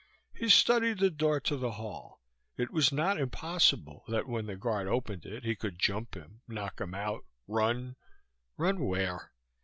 He studied the door to the hall. It was not impossible that when the guard opened it he could jump him, knock him out, run ... run where?